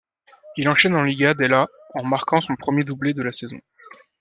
Il enchaîne en Liga dès la en marquant son premier doublé de la saison.